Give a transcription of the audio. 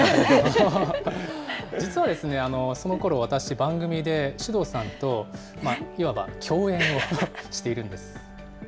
実は、そのころ私、番組で首藤さんといわば共演をしているんです。